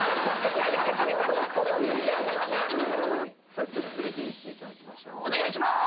早速プレゼンしていただきましょうお願いします